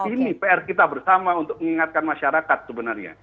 ini pr kita bersama untuk mengingatkan masyarakat sebenarnya